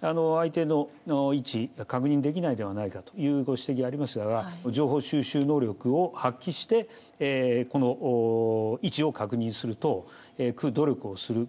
相手の位置が確認できないではないかというご指摘ありますが、情報収集能力を発揮して、この位置を確認すると、努力をする。